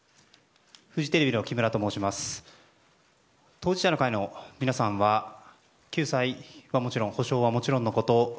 当事者の会の皆さんは救済はもちろん補償はもちろんのこと